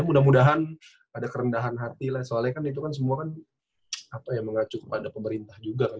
mudah mudahan ada kerendahan hati lah soalnya kan itu kan semua kan mengacu kepada pemerintah juga kan